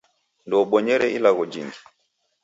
Ndoubonyere ilagho jingi.